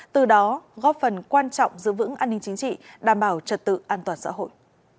từ đó góp phần quan trọng giữ vững an ninh chính trị đảm bảo trật tự an toàn xã hội